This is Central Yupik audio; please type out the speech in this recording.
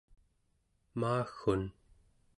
maaggun